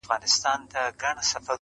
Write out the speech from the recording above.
تر خپل ځان پسته لكۍ يې كړله لاندي؛